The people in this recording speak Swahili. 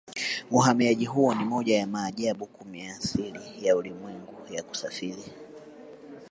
Uhamiaji huo ni moja ya maajabu kumi ya asili ya ulimwengu ya kusafiri